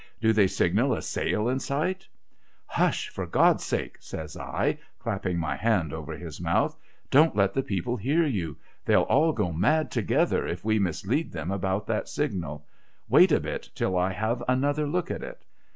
' Do they signal a sail in sight ?'' Hush, for God's sake !' says I, clapping my hand over his mouth. ' Don't let the people hear you. They'll all go mad together if we mislead them about that signal. Wait a bit, till I have another look at it.'